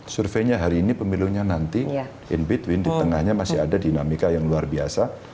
surveinya hari ini pemilunya nanti in between di tengahnya masih ada dinamika yang luar biasa